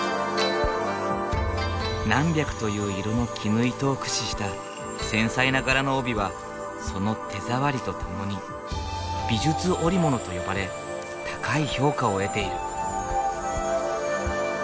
何百という色の絹糸を駆使した繊細な柄の帯はその手触りとともに美術織物と呼ばれ高い評価を得ている。